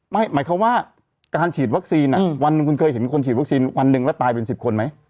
หมายความว่าการฉีดวัคซีนวันหนึ่งคุณเคยเห็นคนฉีดวัคซีนวันหนึ่งแล้วตายเป็น๑๐คนไหม